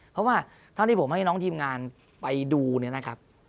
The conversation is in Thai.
เพราะว่าเท่าที่ผมให้น้องทีมงานไปดูเนี่ยนะครับ